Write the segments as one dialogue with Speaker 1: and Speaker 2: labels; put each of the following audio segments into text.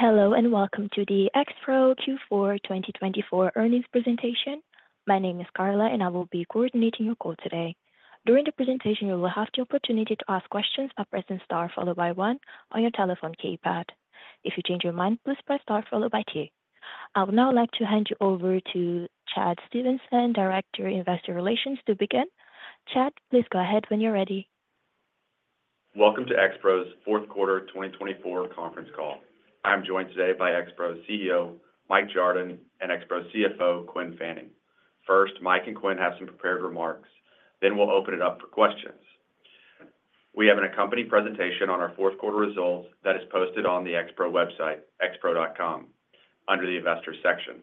Speaker 1: Hello and welcome to the Expro Q4 2024 Earnings Presentation. My name is Carla, and I will be coordinating your call today. During the presentation, you will have the opportunity to ask questions by pressing star followed by one on your telephone keypad. If you change your mind, please press star followed by two. I would now like to hand you over to Chad Stephenson, Director of Investor Relations, to begin. Chad, please go ahead when you're ready.
Speaker 2: Welcome to Expro's Q4 2024 Conference Call. I'm joined today by Expro CEO Mike Jardon and Expro CFO Quinn Fanning. First, Mike and Quinn have some prepared remarks, then we'll open it up for questions. We have an accompanying presentation on our Q4 results that is posted on the Expro website, expro.com, under the Investors section.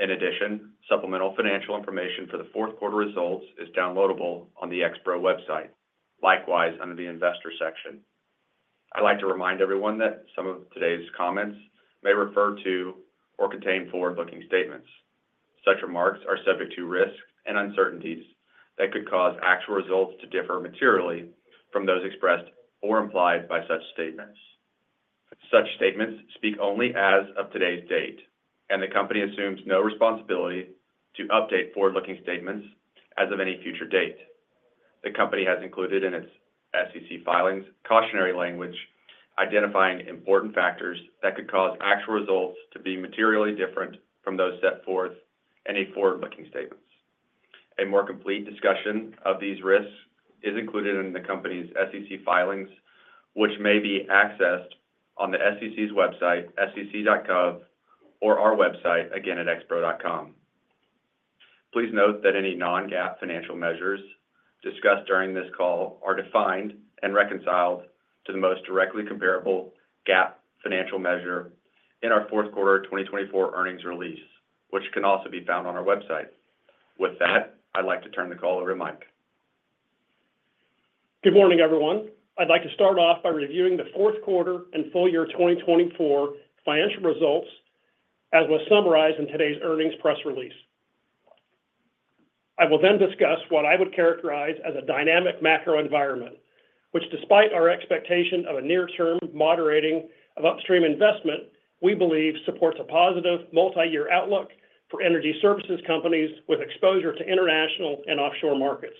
Speaker 2: In addition, supplemental financial information for the Q4 results is downloadable on the Expro website, likewise under the Investors section. I'd like to remind everyone that some of today's comments may refer to or contain forward-looking statements. Such remarks are subject to risks and uncertainties that could cause actual results to differ materially from those expressed or implied by such statements. Such statements speak only as of today's date, and the company assumes no responsibility to update forward-looking statements as of any future date. The company has included in its SEC filings cautionary language identifying important factors that could cause actual results to be materially different from those set forth in any forward-looking statements. A more complete discussion of these risks is included in the company's SEC filings, which may be accessed on the SEC's website, sec.gov, or our website again at expro.com. Please note that any non-GAAP financial measures discussed during this call are defined and reconciled to the most directly comparable GAAP financial measure in our Q4 2024 earnings release, which can also be found on our website. With that, I'd like to turn the call over to Mike.
Speaker 3: Good morning, everyone. I'd like to start off by reviewing the Q4 and Full-Year 2024 Financial Results as was summarized in today's earnings press release. I will then discuss what I would characterize as a dynamic macro environment, which, despite our expectation of a near-term moderating of upstream investment, we believe supports a positive multi-year outlook for energy services companies with exposure to international and offshore markets.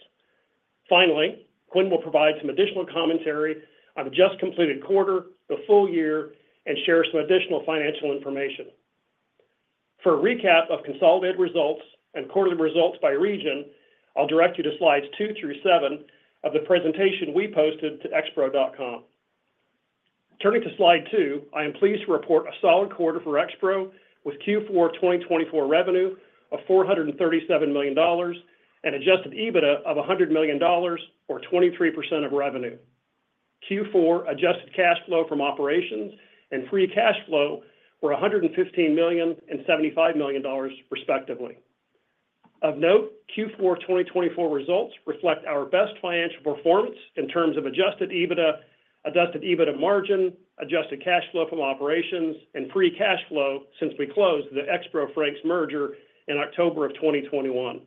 Speaker 3: Finally, Quinn will provide some additional commentary on the just completed quarter, the full year, and share some additional financial information. For a recap of consolidated results and quarterly results by region, I'll direct you to slides two through seven of the presentation we posted to expro.com. Turning to slide two, I am pleased to report a solid quarter for Expro with Q4 2024 revenue of $437 million and Adjusted EBITDA of $100 million, or 23% of revenue. Q4 Adjusted Cash Flow from operations and Free Cash Flow were $115 million and $75 million, respectively. Of note, Q4 2024 results reflect our best financial performance in terms of Adjusted EBITDA, Adjusted EBITDA margin, Adjusted Cash Flow from operations, and Free Cash Flow since we closed the Expro-Frank's merger in October of 2021.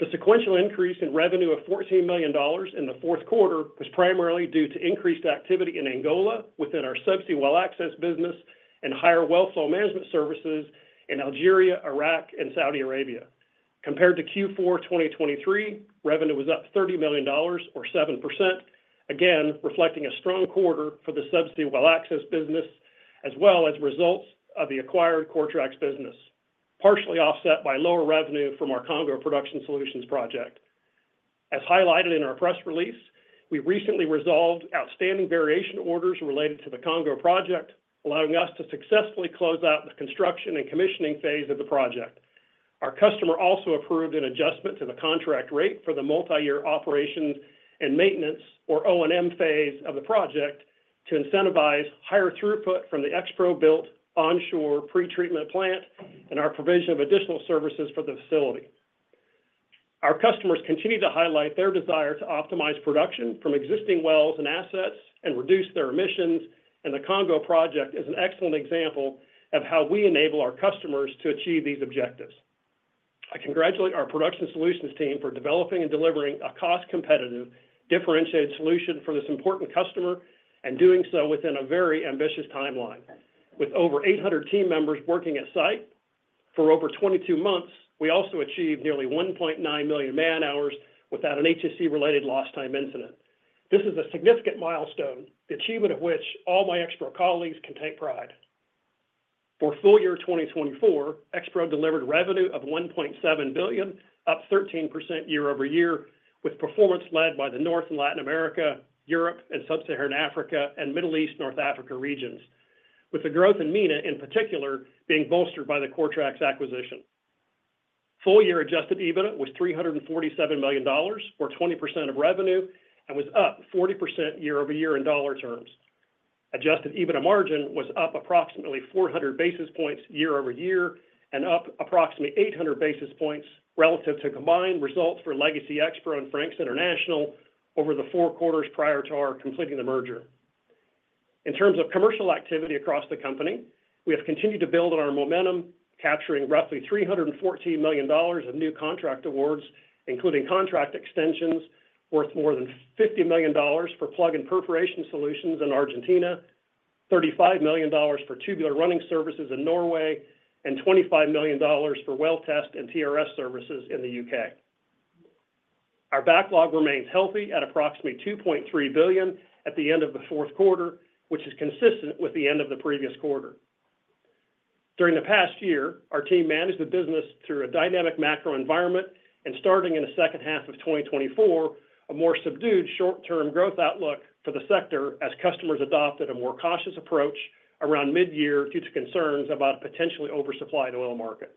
Speaker 3: The sequential increase in revenue of $14 million in the Q4 was primarily due to increased activity in Angola within our Subsea Well Access business and higher well flow management services in Algeria, Iraq, and Saudi Arabia. Compared to Q4 2023, revenue was up $30 million, or 7%, again reflecting a strong quarter for the Subsea Well Access business as well as results of the acquired Coretrax business, partially offset by lower revenue from our Congo Production Solutions project. As highlighted in our press release, we recently resolved outstanding variation orders related to the Congo project, allowing us to successfully close out the construction and commissioning phase of the project. Our customer also approved an adjustment to the contract rate for the multi-year operations and maintenance, or O&M, phase of the project to incentivize higher throughput from the Expro-built onshore pretreatment plant and our provision of additional services for the facility. Our customers continue to highlight their desire to optimize production from existing wells and assets and reduce their emissions, and the Congo project is an excellent example of how we enable our customers to achieve these objectives. I congratulate our Production Solutions team for developing and delivering a cost-competitive, differentiated solution for this important customer and doing so within a very ambitious timeline. With over 800 team members working at site for over 22 months, we also achieved nearly 1.9 million man-hours without an HSE-related lost-time incident. This is a significant milestone, the achievement of which all my Expro colleagues can take pride. For full year 2024, Expro delivered revenue of $1.7 billion, up 13% year-over-year, with performance led by the North and Latin America, Europe, and Sub-Saharan Africa, and Middle East/North Africa regions, with the growth in MENA in particular being bolstered by the Coretrax acquisition. Full year Adjusted EBITDA was $347 million, or 20% of revenue, and was up 40% year-over-year in dollar terms. Adjusted EBITDA margin was up approximately 400 basis points year-over-year and up approximately 800 basis points relative to combined results for Legacy Expro and Frank's International over the four quarters prior to our completing the merger. In terms of commercial activity across the company, we have continued to build on our momentum, capturing roughly $314 million of new contract awards, including contract extensions worth more than $50 million for plug and perforation solutions in Argentina, $35 million for tubular running services in Norway, and $25 million for well test and TRS services in the U.K. Our backlog remains healthy at approximately $2.3 billion at the end of the Q4, which is consistent with the end of the previous quarter. During the past year, our team managed the business through a dynamic macro environment and, starting in the second half of 2024, a more subdued short-term growth outlook for the sector as customers adopted a more cautious approach around mid-year due to concerns about a potentially oversupplied oil market.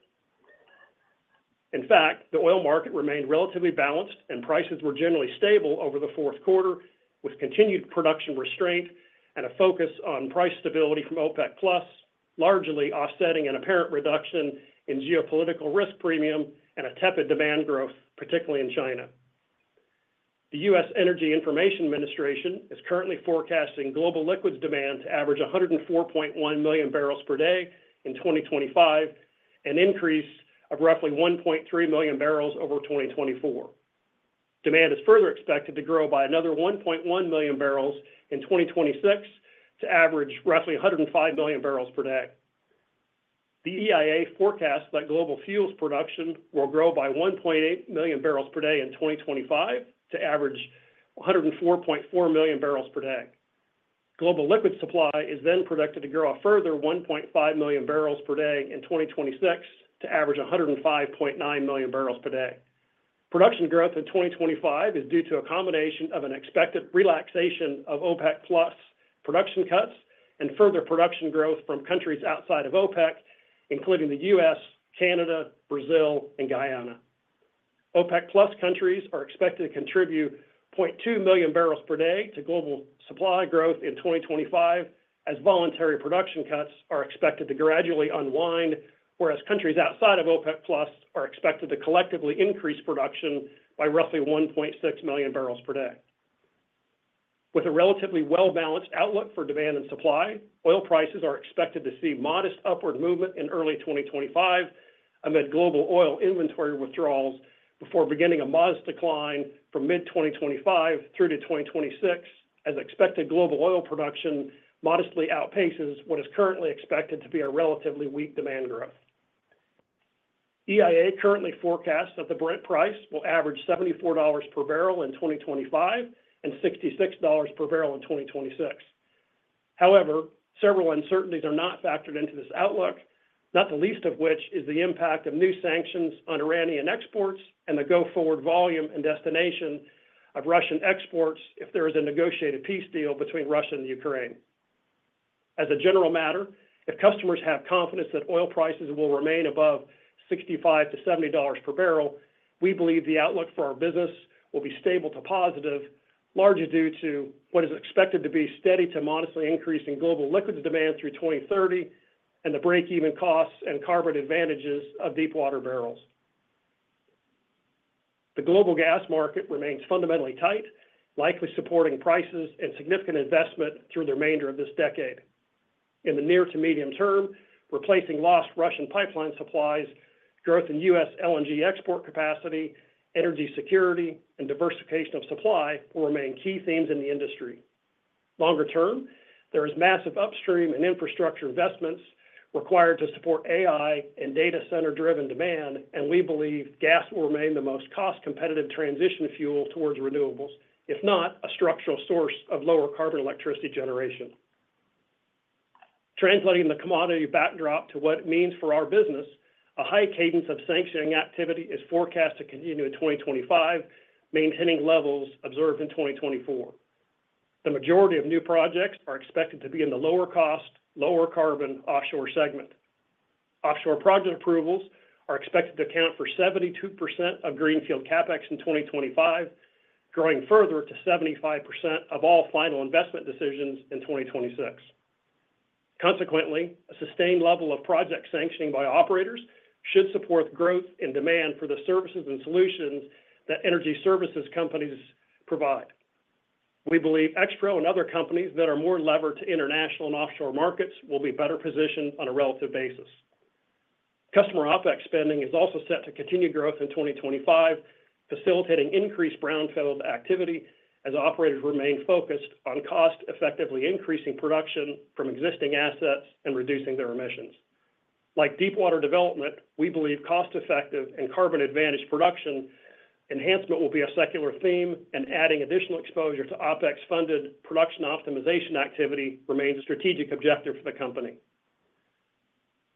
Speaker 3: In fact, the oil market remained relatively balanced, and prices were generally stable over the Q4, with continued production restraint and a focus on price stability from OPEC+, largely offsetting an apparent reduction in geopolitical risk premium and a tepid demand growth, particularly in China. The U.S. Energy Information Administration is currently forecasting global liquids demand to average 104.1 million barrels per day in 2025, an increase of roughly 1.3 million barrels over 2024. Demand is further expected to grow by another 1.1 million barrels in 2026 to average roughly 105 million barrels per day. The EIA forecasts that global liquid fuels production will grow by 1.8 million barrels per day in 2025 to average 104.4 million barrels per day. Global liquid supply is then predicted to grow a further 1.5 million barrels per day in 2026 to average 105.9 million barrels per day. Production growth in 2025 is due to a combination of an expected relaxation of OPEC+ production cuts and further production growth from countries outside of OPEC, including the U.S., Canada, Brazil, and Guyana. OPEC+ countries are expected to contribute 0.2 million barrels per day to global supply growth in 2025, as voluntary production cuts are expected to gradually unwind, whereas countries outside of OPEC+ are expected to collectively increase production by roughly 1.6 million barrels per day. With a relatively well-balanced outlook for demand and supply, oil prices are expected to see modest upward movement in early 2025 amid global oil inventory withdrawals before beginning a modest decline from mid-2025 through to 2026, as expected global oil production modestly outpaces what is currently expected to be a relatively weak demand growth. EIA currently forecasts that the Brent price will average $74 per barrel in 2025 and $66 per barrel in 2026. However, several uncertainties are not factored into this outlook, not the least of which is the impact of new sanctions on Iranian exports and the go-forward volume and destination of Russian exports if there is a negotiated peace deal between Russia and Ukraine. As a general matter, if customers have confidence that oil prices will remain above $65 to $70 per barrel, we believe the outlook for our business will be stable to positive, largely due to what is expected to be steady to modestly increasing global liquids demand through 2030 and the break-even costs and carbon advantages of deepwater barrels. The global gas market remains fundamentally tight, likely supporting prices and significant investment through the remainder of this decade. In the near to medium term, replacing lost Russian pipeline supplies, growth in U.S. LNG export capacity, energy security, and diversification of supply will remain key themes in the industry. Longer term, there is massive upstream and infrastructure investments required to support AI and data-center-driven demand, and we believe gas will remain the most cost-competitive transition fuel towards renewables, if not a structural source of lower carbon electricity generation. Translating the commodity backdrop to what it means for our business, a high cadence of sanctioning activity is forecast to continue in 2025, maintaining levels observed in 2024. The majority of new projects are expected to be in the lower-cost, lower-carbon offshore segment. Offshore project approvals are expected to account for 72% of greenfield CapEx in 2025, growing further to 75% of all final investment decisions in 2026. Consequently, a sustained level of project sanctioning by operators should support growth in demand for the services and solutions that energy services companies provide. We believe Expro and other companies that are more levered to international and offshore markets will be better positioned on a relative basis. Customer OPEX spending is also set to continue growth in 2025, facilitating increased brownfield activity as operators remain focused on cost-effectively increasing production from existing assets and reducing their emissions. Like deepwater development, we believe cost-effective and carbon-advantaged production enhancement will be a secular theme, and adding additional exposure to OPEX-funded production optimization activity remains a strategic objective for the company.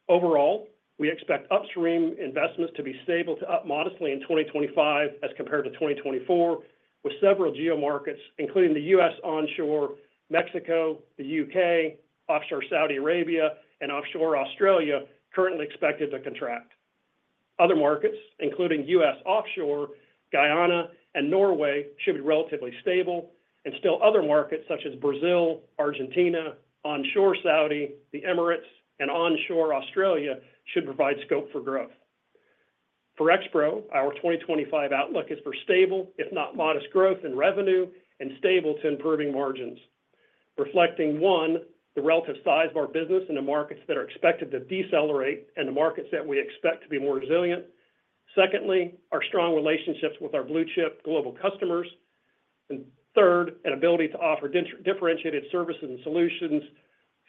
Speaker 3: Overall, we expect upstream investments to be stable to up modestly in 2025 as compared to 2024, with several geomarkets, including the U.S. onshore, Mexico, the U.K., offshore Saudi Arabia, and offshore Australia, currently expected to contract. Other markets, including U.S., offshore, Guyana, and Norway, should be relatively stable, and still other markets such as Brazil, Argentina, onshore Saudi, the Emirates, and onshore Australia should provide scope for growth. For Expro, our 2025 outlook is for stable, if not modest, growth in revenue and stable to improving margins, reflecting one, the relative size of our business in the markets that are expected to decelerate and the markets that we expect to be more resilient. Secondly, our strong relationships with our blue-chip global customers, and third, an ability to offer differentiated services and solutions.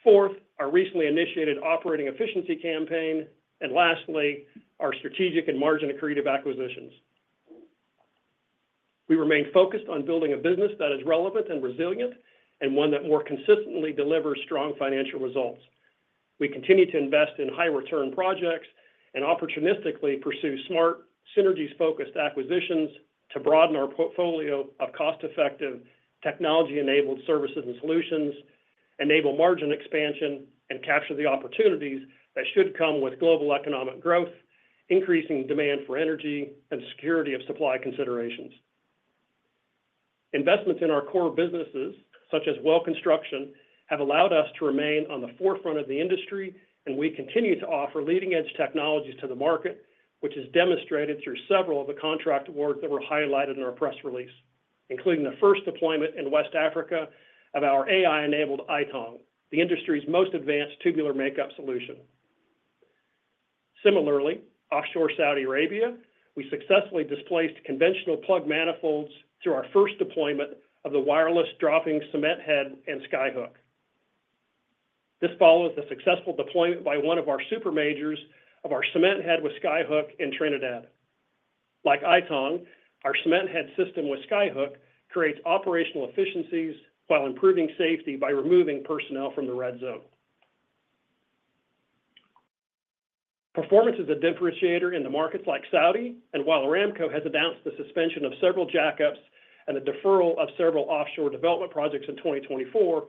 Speaker 3: Fourth, our recently initiated operating efficiency campaign, and lastly, our strategic and margin-accretive acquisitions. We remain focused on building a business that is relevant and resilient and one that more consistently delivers strong financial results. We continue to invest in high-return projects and opportunistically pursue smart, synergies-focused acquisitions to broaden our portfolio of cost-effective, technology-enabled services and solutions, enable margin expansion, and capture the opportunities that should come with global economic growth, increasing demand for energy and security of supply considerations. Investments in our core businesses, such as well construction, have allowed us to remain on the forefront of the industry, and we continue to offer leading-edge technologies to the market, which is demonstrated through several of the contract awards that were highlighted in our press release, including the first deployment in West Africa of our AI-enabled iTONG, the industry's most advanced tubular makeup solution. Similarly, offshore Saudi Arabia, we successfully displaced conventional plug manifolds through our first deployment of the wireless dropping cement head and SkyHook. This follows the successful deployment by one of our supermajors of our cement head with SkyHook in Trinidad. Like iTONG, our cement head system with SkyHook creates operational efficiencies while improving safety by removing personnel from the red zone. Performance is a differentiator in the markets like Saudi, and while Aramco has announced the suspension of several jackups and the deferral of several offshore development projects in 2024,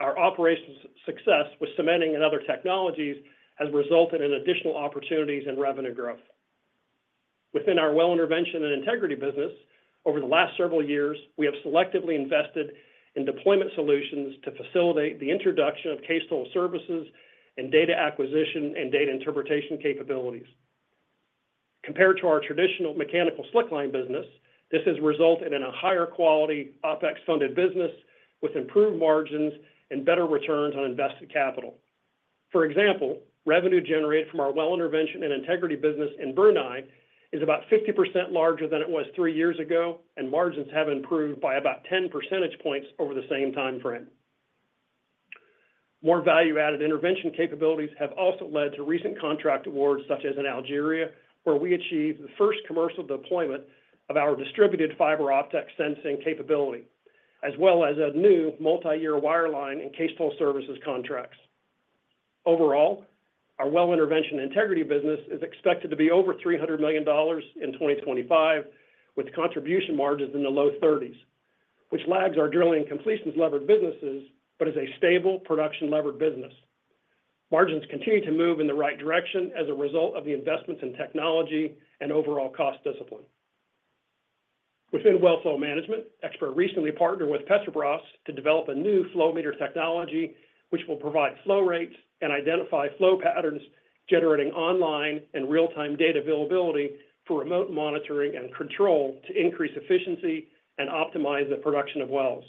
Speaker 3: our operations success with cementing and other technologies has resulted in additional opportunities and revenue growth. Within our well intervention and integrity business, over the last several years, we have selectively invested in deployment solutions to facilitate the introduction of cased-hole services and data acquisition and data interpretation capabilities. Compared to our traditional mechanical slickline business, this has resulted in a higher quality OPEX-funded business with improved margins and better returns on invested capital. For example, revenue generated from our well intervention and integrity business in Brunei is about 50% larger than it was three years ago, and margins have improved by about 10 percentage points over the same timeframe. More value-added intervention capabilities have also led to recent contract awards such as in Algeria, where we achieved the first commercial deployment of our distributed fiber optic sensing capability, as well as a new multi-year wireline and cased-hole services contracts. Overall, our well intervention and integrity business is expected to be over $300 million in 2025, with contribution margins in the low 30s, which lags our drilling and completions-levered businesses, but is a stable production-levered business. Margins continue to move in the right direction as a result of the investments in technology and overall cost discipline. Within well flow management, Expro recently partnered with Petrobras to develop a new flow meter technology, which will provide flow rates and identify flow patterns, generating online and real-time data availability for remote monitoring and control to increase efficiency and optimize the production of wells.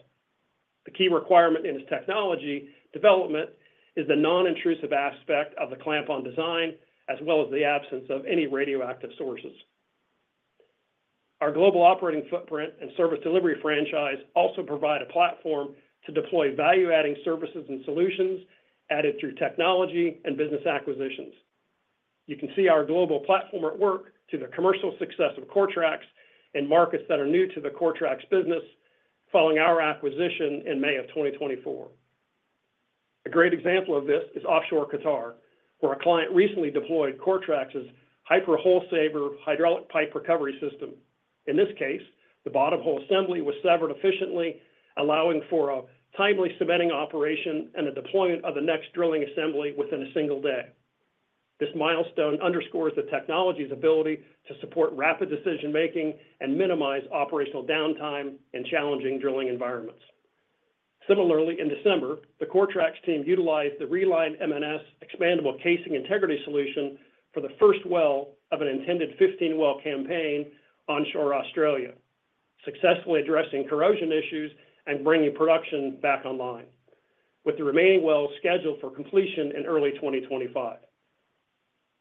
Speaker 3: The key requirement in this technology development is the non-intrusive aspect of the clamp-on design, as well as the absence of any radioactive sources. Our global operating footprint and service delivery franchise also provide a platform to deploy value-adding services and solutions added through technology and business acquisitions. You can see our global platform at work to the commercial success of Coretrax in markets that are new to the Coretrax business following our acquisition in May of 2024. A great example of this is offshore Qatar, where a client recently deployed Coretrax's HyPR HoleSaver hydraulic pipe recovery system. In this case, the bottom hole assembly was severed efficiently, allowing for a timely cementing operation and the deployment of the next drilling assembly within a single day. This milestone underscores the technology's ability to support rapid decision-making and minimize operational downtime in challenging drilling environments. Similarly, in December, the Coretrax team utilized the ReLine MNS expandable casing integrity solution for the first well of an intended 15-well campaign onshore Australia, successfully addressing corrosion issues and bringing production back online, with the remaining wells scheduled for completion in early 2025.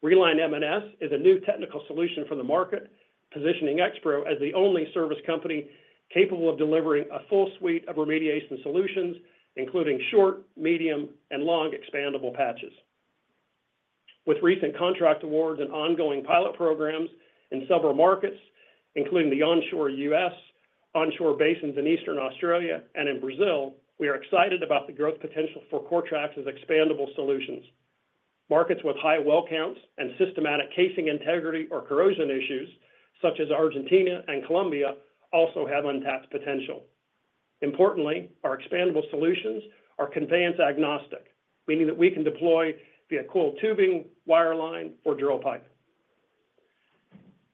Speaker 3: ReLine MNS is a new technical solution for the market, positioning Expro as the only service company capable of delivering a full suite of remediation solutions, including short, medium, and long expandable patches. With recent contract awards and ongoing pilot programs in several markets, including the onshore U.S., onshore basins in Eastern Australia, and in Brazil, we are excited about the growth potential for Coretrax's expandable solutions. Markets with high well counts and systematic casing integrity or corrosion issues, such as Argentina and Colombia, also have untapped potential. Importantly, our expandable solutions are conveyance agnostic, meaning that we can deploy via coiled tubing, wireline, or drill pipe.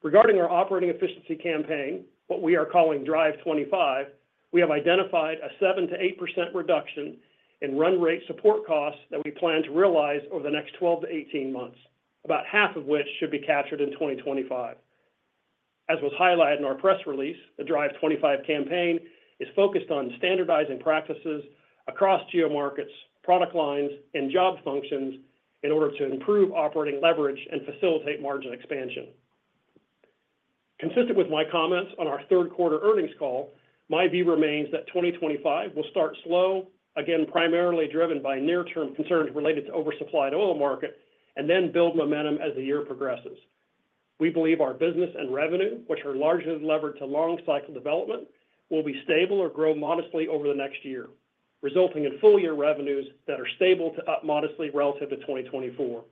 Speaker 3: Regarding our operating efficiency campaign, what we are calling Drive 25, we have identified a seven%-eight% reduction in run rate support costs that we plan to realize over the next 12 to 18 months, about half of which should be captured in 2025. As was highlighted in our press release, the Drive 25 campaign is focused on standardizing practices across geomarkets, product lines, and job functions in order to improve operating leverage and facilitate margin expansion. Consistent with my comments on our Q3 earnings call, my view remains that 2025 will start slow, again primarily driven by near-term concerns related to oversupplied oil market, and then build momentum as the year progresses. We believe our business and revenue, which are largely levered to long-cycle development, will be stable or grow modestly over the next year, resulting in full-year revenues that are stable to up modestly relative to 2024.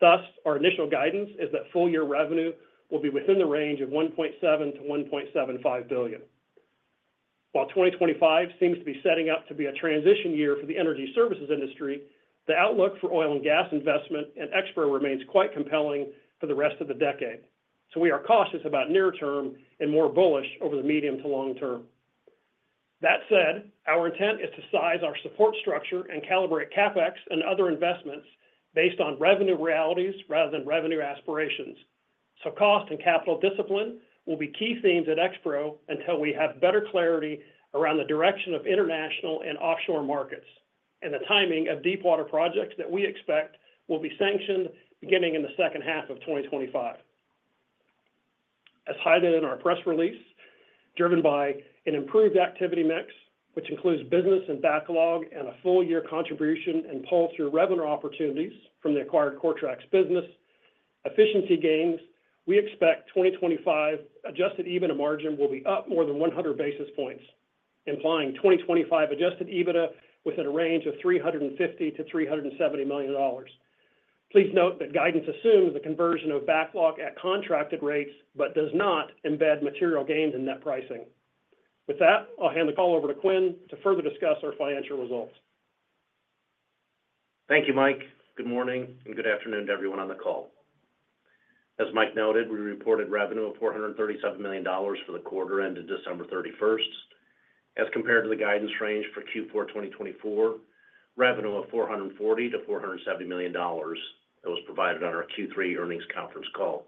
Speaker 3: Thus, our initial guidance is that full-year revenue will be within the range of $1.7 billion-$1.75 billion. While 2025 seems to be setting up to be a transition year for the energy services industry, the outlook for oil and gas investment and Expro remains quite compelling for the rest of the decade. So we are cautious about near-term and more bullish over the medium to long term. That said, our intent is to size our support structure and calibrate CapEx and other investments based on revenue realities rather than revenue aspirations. So cost and capital discipline will be key themes at Expro until we have better clarity around the direction of international and offshore markets and the timing of deepwater projects that we expect will be sanctioned beginning in the second half of 2025. As highlighted in our press release, driven by an improved activity mix, which includes business and backlog and a full-year contribution and pull-through revenue opportunities from the acquired Coretrax business, efficiency gains, we expect 2025 Adjusted EBITDA margin will be up more than 100 basis points, implying 2025 Adjusted EBITDA within a range of $350-$370 million. Please note that guidance assumes the conversion of backlog at contracted rates, but does not embed material gains in net pricing. With that, I'll hand the call over to Quinn to further discuss our financial results.
Speaker 4: Thank you, Mike. Good morning and good afternoon to everyone on the call. As Mike noted, we reported revenue of $437 million for the quarter ended December 31st. As compared to the guidance range for Q4 2024, revenue of $440-$470 million that was provided on our Q3 earnings conference call.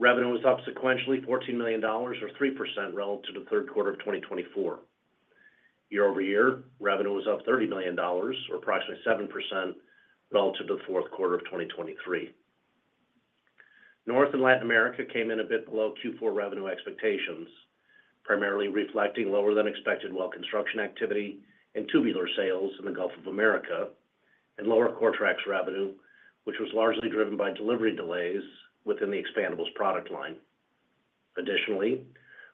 Speaker 4: Revenue was up sequentially $14 million, or 3%, relative to the Q3 of 2024. year-over-year, revenue was up $30 million, or approximately 7%, relative to the Q4 of 2023. North and Latin America came in a bit below Q4 revenue expectations, primarily reflecting lower-than-expected well construction activity and tubular sales in the Gulf of Mexico and lower Coretrax revenue, which was largely driven by delivery delays within the expandables product line. Additionally,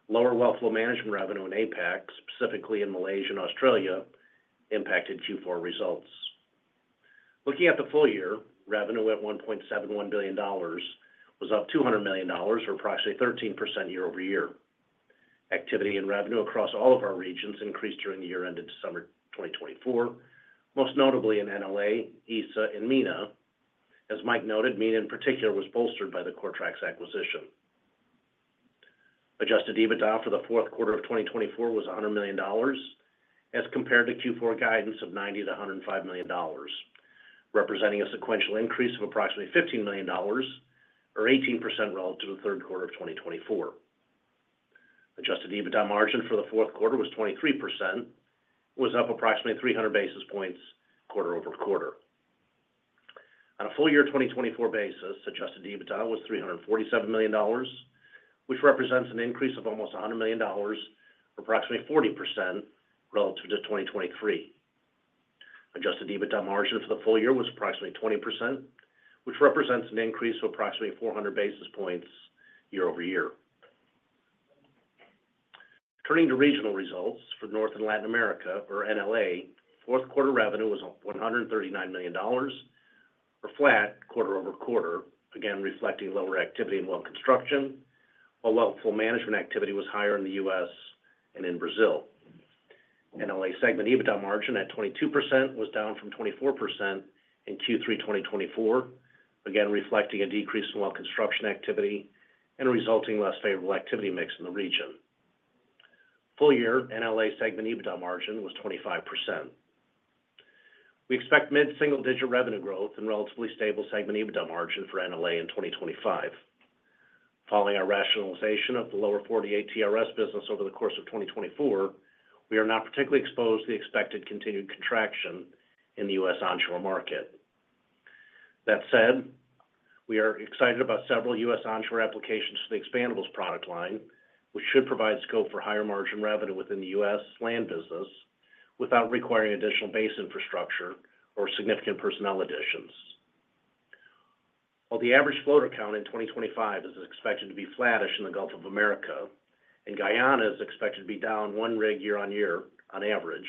Speaker 4: lower well flow management revenue in APAC, specifically in Malaysia and Australia, impacted Q4 results. Looking at the full year, revenue at $1.71 billion was up $200 million, or approximately 13% year-over-year. Activity and revenue across all of our regions increased during the year ended December 2024, most notably in NLA, ESSA, and MENA. As Mike noted, MENA in particular was bolstered by the Coretrax acquisition. Adjusted EBITDA for the Q4 of 2024 was $100 million, as compared to Q4 guidance of $90-$105 million, representing a sequential increase of approximately $15 million, or 18%, relative to the Q3 of 2024. Adjusted EBITDA margin for the Q4 was 23%, was up approximately 300 basis points quarter over quarter. On a full year 2024 basis, adjusted EBITDA was $347 million, which represents an increase of almost $100 million, or approximately 40%, relative to 2023. Adjusted EBITDA margin for the full year was approximately 20%, which represents an increase of approximately 400 basis points year-over-year. Turning to regional results for North and Latin America, or NLA, Q4 revenue was $139 million, or flat quarter over quarter, again reflecting lower activity in well construction, while well flow management activity was higher in the U.S. and in Brazil. NLA segment EBITDA margin at 22% was down from 24% in Q3 2024, again reflecting a decrease in well construction activity and resulting in less favorable activity mix in the region. Full year NLA segment EBITDA margin was 25%. We expect mid-single digit revenue growth and relatively stable segment EBITDA margin for NLA in 2025. Following our rationalization of the Lower 48 TRS business over the course of 2024, we are not particularly exposed to the expected continued contraction in the U.S. onshore market. That said, we are excited about several U.S. onshore applications to the expandables product line, which should provide scope for higher margin revenue within the U.S. land business without requiring additional base infrastructure or significant personnel additions. While the average floater count in 2025 is expected to be flattish in the Gulf of Mexico and Guyana is expected to be down one rig year on year on average,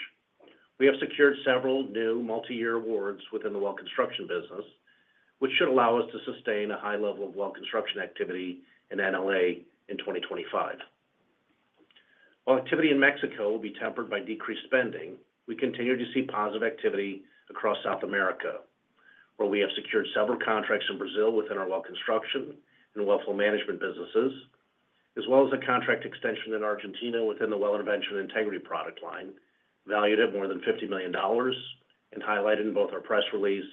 Speaker 4: we have secured several new multi-year awards within the well construction business, which should allow us to sustain a high level of well construction activity in NLA in 2025. While activity in Mexico will be tempered by decreased spending, we continue to see positive activity across South America, where we have secured several contracts in Brazil within our well construction and well flow management businesses, as well as a contract extension in Argentina within the well intervention and integrity product line, valued at more than $50 million, and highlighted in both our press release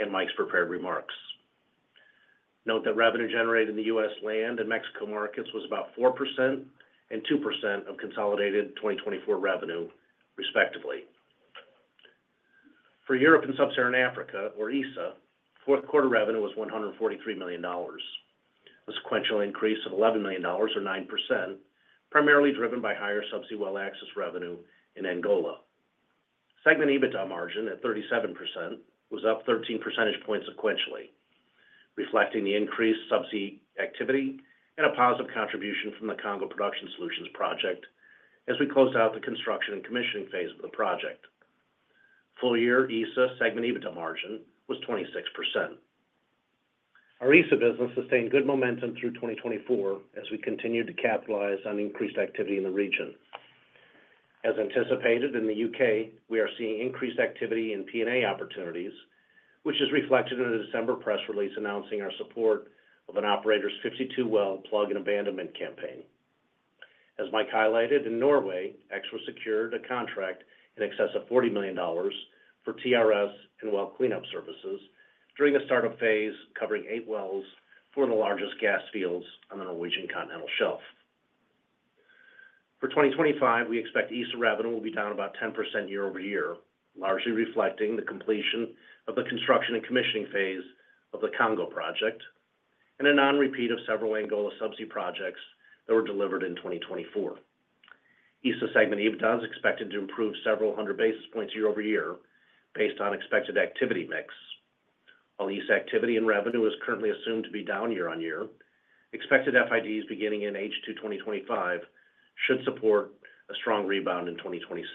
Speaker 4: and Mike's prepared remarks. Note that revenue generated in the U.S. land and Mexico markets was about 4% and 2% of consolidated 2024 revenue, respectively. For Europe and Sub-Saharan Africa, or ESSA, Q4 revenue was $143 million, a sequential increase of $11 million, or 9%, primarily driven by higher Subsea Well Access revenue in Angola. Segment EBITDA margin at 37% was up 13 percentage points sequentially, reflecting the increased subsea activity and a positive contribution from the Congo Production Solutions project as we closed out the construction and commissioning phase of the project. Full year ESSA segment EBITDA margin was 26%. Our ESSA business sustained good momentum through 2024 as we continued to capitalize on increased activity in the region. As anticipated in the U.K., we are seeing increased activity in P&A opportunities, which is reflected in a December press release announcing our support of an operator's 52 well plug and abandonment campaign. As Mike highlighted, in Norway, Expro secured a contract in excess of $40 million for TRS and well cleanup services during the startup phase, covering eight wells for the largest gas fields on the Norwegian continental shelf. For 2025, we expect ESSA revenue will be down about 10% year-over-year, largely reflecting the completion of the construction and commissioning phase of the Congo project and a non-repeat of several Angola subsea projects that were delivered in 2024. ESSA segment EBITDA is expected to improve several hundred basis points year-over-year based on expected activity mix. While ESSA activity and revenue is currently assumed to be down year on year, expected FIDs beginning in H2 2025 should support a strong rebound in 2026.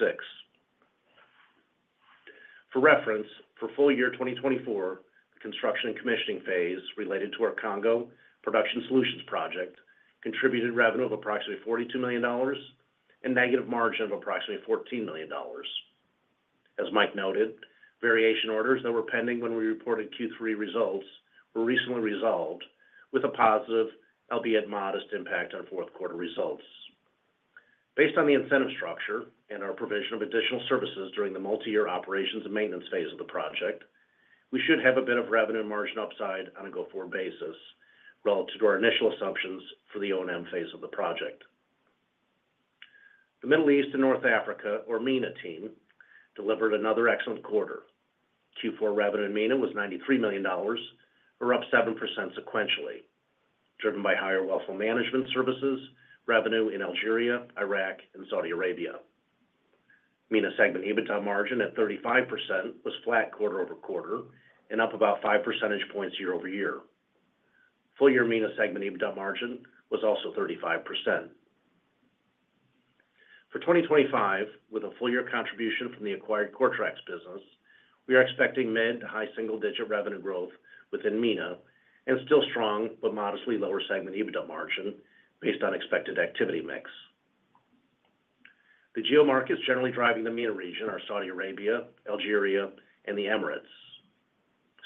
Speaker 4: For reference, for full year 2024, the construction and commissioning phase related to our Congo Production Solutions project contributed revenue of approximately $42 million and negative margin of approximately $14 million. As Mike noted, variation orders that were pending when we reported Q3 results were recently resolved with a positive, albeit modest, impact on Q4 results. Based on the incentive structure and our provision of additional services during the multi-year operations and maintenance phase of the project, we should have a bit of revenue margin upside on a go forward basis relative to our initial assumptions for the O&M phase of the project. The Middle East and North Africa, or MENA team, delivered another excellent quarter. Q4 revenue in MENA was $93 million, or up 7% sequentially, driven by higher well flow management services revenue in Algeria, Iraq, and Saudi Arabia. MENA segment EBITDA margin at 35% was flat quarter over quarter and up about five percentage points year-over-year. Full year MENA segment EBITDA margin was also 35%. For 2025, with a full year contribution from the acquired Coretrax business, we are expecting mid- to high-single-digit revenue growth within MENA and still strong, but modestly lower segment EBITDA margin based on expected activity mix. The geomarkets generally driving the MENA region are Saudi Arabia, Algeria, and the Emirates.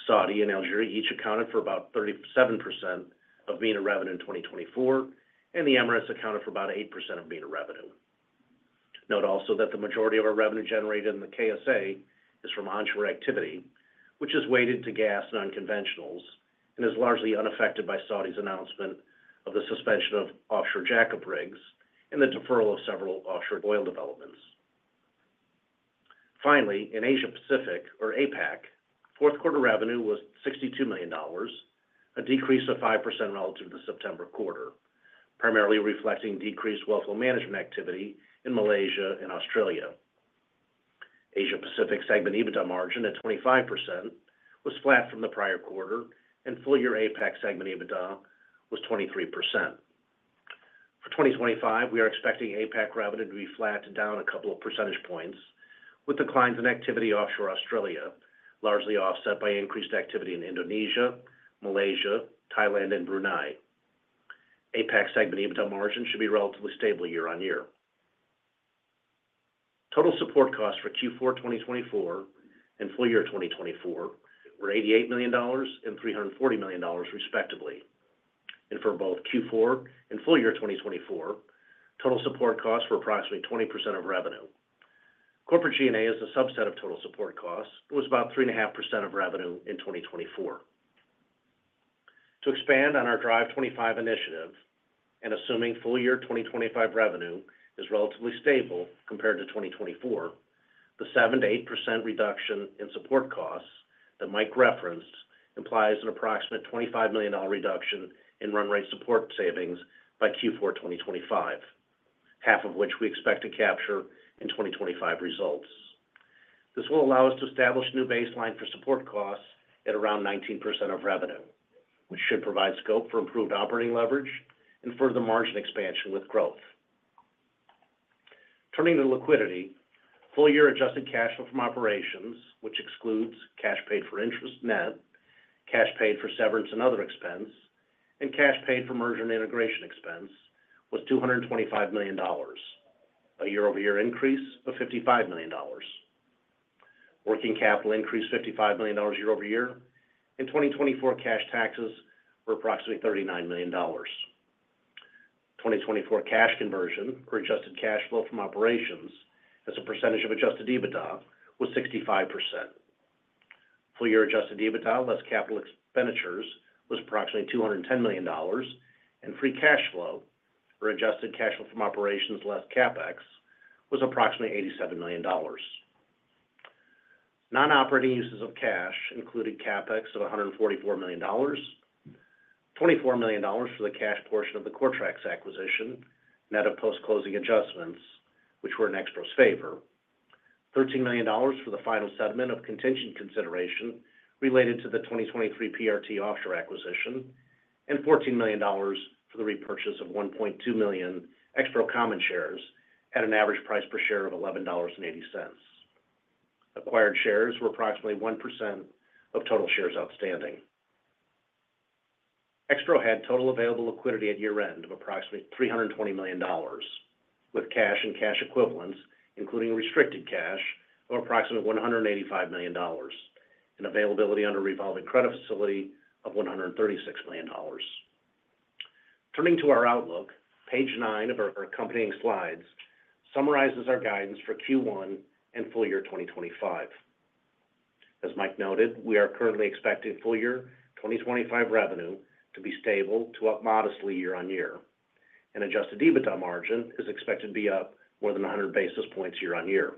Speaker 4: Saudi and Algeria each accounted for about 37% of MENA revenue in 2024, and the Emirates accounted for about 8% of MENA revenue. Note also that the majority of our revenue generated in the KSA is from onshore activity, which is weighted to gas and unconventionals and is largely unaffected by Saudi's announcement of the suspension of offshore jack-up rigs and the deferral of several offshore oil developments. Finally, in Asia Pacific, or APAC, Q4 revenue was $62 million, a decrease of 5% relative to the September quarter, primarily reflecting decreased well flow management activity in Malaysia and Australia. Asia Pacific segment EBITDA margin at 25% was flat from the prior quarter, and full year APAC segment EBITDA was 23%. For 2025, we are expecting APAC revenue to be flat and down a couple of percentage points with declines in activity offshore Australia, largely offset by increased activity in Indonesia, Malaysia, Thailand, and Brunei. APAC segment EBITDA margin should be relatively stable year on year. Total support costs for Q4 2024 and full year 2024 were $88 million and $340 million, respectively, and for both Q4 and full year 2024, total support costs were approximately 20% of revenue. Corporate G&A is a subset of total support costs. It was about 3.5% of revenue in 2024. To expand on our Drive 25 initiative and assuming full year 2025 revenue is relatively stable compared to 2024, the 7%-8% reduction in support costs that Mike referenced implies an approximate $25 million reduction in run rate support savings by Q4 2025, half of which we expect to capture in 2025 results. This will allow us to establish a new baseline for support costs at around 19% of revenue, which should provide scope for improved operating leverage and further margin expansion with growth. Turning to liquidity, full year Adjusted Cash Flow from operations, which excludes cash paid for interest net, cash paid for severance and other expense, and cash paid for merger and integration expense, was $225 million, a year-over-year increase of $55 million. Working capital increased $55 million year-over-year, and 2024 cash taxes were approximately $39 million. 2024 cash conversion or Adjusted Cash Flow from operations as a percentage of adjusted EBITDA was 65%. Full year adjusted EBITDA less capital expenditures was approximately $210 million, and Free Cash Flow or Adjusted Cash Flow from operations less CapEx was approximately $87 million. Non-operating uses of cash included CapEx of $144 million, $24 million for the cash portion of the Coretrax acquisition net of post-closing adjustments, which were in Expro's favor, $13 million for the final settlement of contingent consideration related to the 2023 PRT Offshore acquisition, and $14 million for the repurchase of 1.2 million Expro common shares at an average price per share of $11.80. Acquired shares were approximately 1% of total shares outstanding. Expro had total available liquidity at year end of approximately $320 million, with cash and cash equivalents, including restricted cash of approximately $185 million, and availability under revolving credit facility of $136 million. Turning to our outlook, page nine of our accompanying slides summarizes our guidance for Q1 and full year 2025. As Mike noted, we are currently expecting full year 2025 revenue to be stable to up modestly year on year, and adjusted EBITDA margin is expected to be up more than 100 basis points year on year.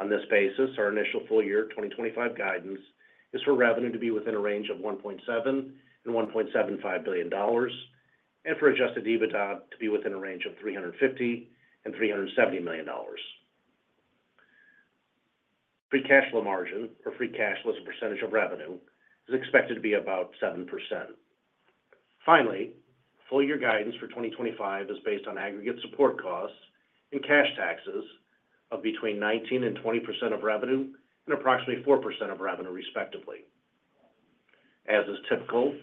Speaker 4: On this basis, our initial full year 2025 guidance is for revenue to be within a range of $1.7-$1.75 billion, and for adjusted EBITDA to be within a range of $350-$370 million. Free Cash Flow margin, or Free Cash Flow as a percentage of revenue, is expected to be about 7%. Finally, full year guidance for 2025 is based on aggregate support costs and cash taxes of between 19%-20% of revenue and approximately 4% of revenue, respectively. As is typical,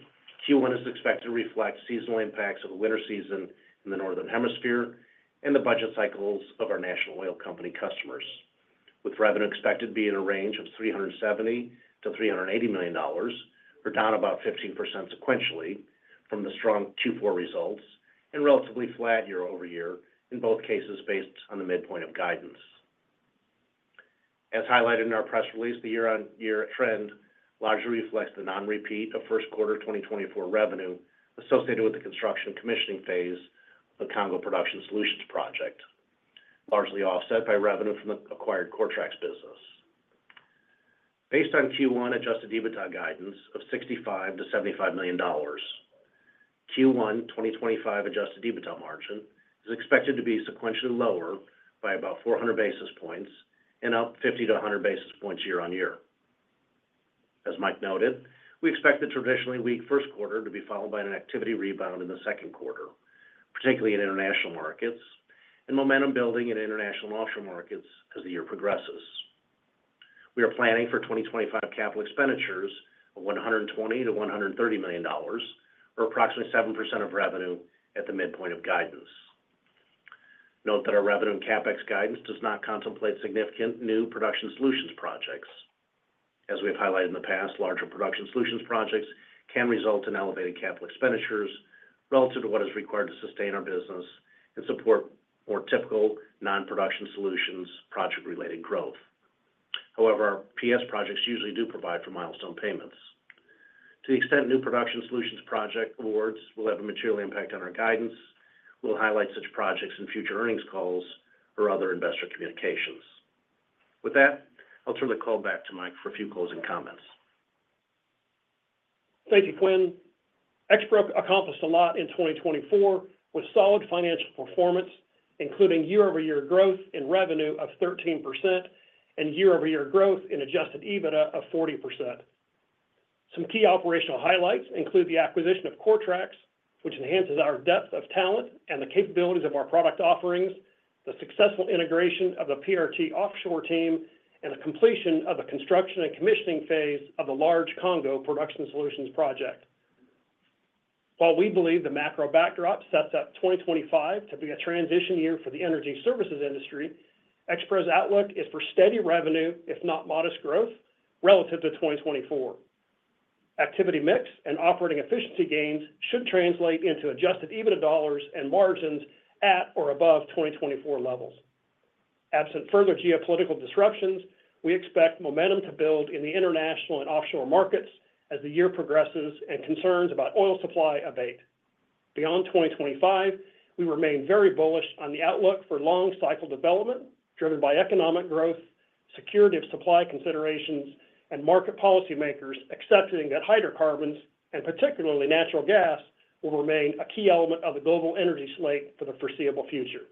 Speaker 4: Q1 is expected to reflect seasonal impacts of the winter season in the Northern Hemisphere and the budget cycles of our national oil company customers, with revenue expected to be in a range of $370-$380 million, or down about 15% sequentially from the strong Q4 results and relatively flat year-over-year in both cases based on the midpoint of guidance. As highlighted in our press release, the year-on-year trend largely reflects the non-repeat of Q1 2024 revenue associated with the construction and commissioning phase of the Congo Production Solutions project, largely offset by revenue from the acquired Coretrax business. Based on Q1 Adjusted EBITDA guidance of $65-$75 million, Q1 2025 Adjusted EBITDA margin is expected to be sequentially lower by about 400 basis points and up 50-100 basis points year on year. As Mike noted, we expect the traditionally weak Q1 to be followed by an activity rebound in the Q2, particularly in international markets, and momentum building in international offshore markets as the year progresses. We are planning for 2025 capital expenditures of $120-$130 million, or approximately 7% of revenue at the midpoint of guidance. Note that our revenue and CapEx guidance does not contemplate significant new production solutions projects. As we have highlighted in the past, larger production solutions projects can result in elevated capital expenditures relative to what is required to sustain our business and support more typical non-production solutions project-related growth. However, our PS projects usually do provide for milestone payments. To the extent new production solutions project awards will have a material impact on our guidance, we'll highlight such projects in future earnings calls or other investor communications. With that, I'll turn the call back to Mike for a few closing comments.
Speaker 3: Thank you, Quinn. Expro accomplished a lot in 2024 with solid financial performance, including year-over-year growth in revenue of 13% and year-over-year growth in adjusted EBITDA of 40%. Some key operational highlights include the acquisition of Coretrax, which enhances our depth of talent and the capabilities of our product offerings, the successful integration of the PRT Offshore team, and the completion of the construction and commissioning phase of the large Congo Production Solutions project. While we believe the macro backdrop sets up 2025 to be a transition year for the energy services industry, Expro's outlook is for steady revenue, if not modest growth, relative to 2024. Activity mix and operating efficiency gains should translate into adjusted EBITDA dollars and margins at or above 2024 levels. Absent further geopolitical disruptions, we expect momentum to build in the international and offshore markets as the year progresses and concerns about oil supply abate. Beyond 2025, we remain very bullish on the outlook for long-cycle development driven by economic growth, security of supply considerations, and market policymakers accepting that hydrocarbons and particularly natural gas will remain a key element of the global energy slate for the foreseeable future.